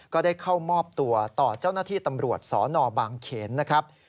ก็ได้เข้ามอบตัวต่อเจ้าหน้าที่ตำรวจสนบางเขนนะครับ